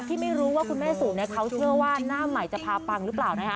ที่ไม่รู้ว่าคุณแม่สู่เขาเชื่อว่าหน้าใหม่จะพาปังหรือเปล่านะคะ